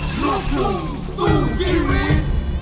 โปรดติดตามตอนต่อไป